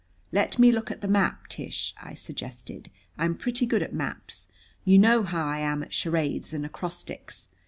"Let me look at the map, Tish," I suggested. "I'm pretty good at maps. You know how I am at charades and acrostics.